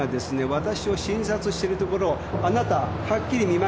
わたしを診察しているところあなたはっきり見ましたか？